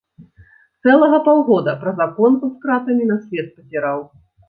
Цэлага паўгода праз аконца з кратамі на свет пазіраў.